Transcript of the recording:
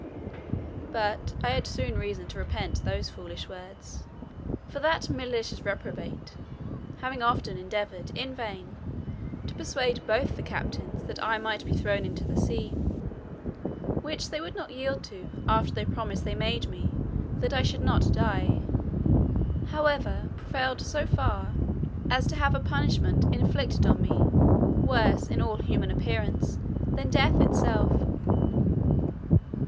But I had soon reason to repent those foolish words: for that malicious reprobate, having often endeavoured in vain to persuade both the captains that I might be thrown into the sea (which they would not yield to, after the promise made me that I should not die), however, prevailed so far, as to have a punishment inflicted on me, worse, in all human appearance, than death itself.